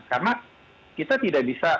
karena kita tidak bisa